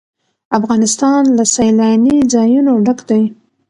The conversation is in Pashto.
افغانستان له سیلانی ځایونه ډک دی.